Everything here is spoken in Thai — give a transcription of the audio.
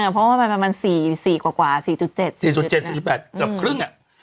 เพราะว่าประมาณ๔กว่า๔๗๔๘กว่าครึ่ง